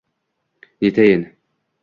Netayin